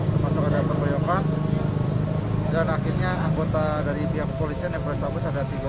termasuk ada pengeroyokan dan akhirnya anggota dari pihak kepolisian yang polrestabes ada tiga